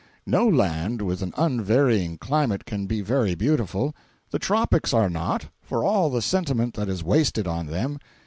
No land with an unvarying climate can be very beautiful. The tropics are not, for all the sentiment that is wasted on them.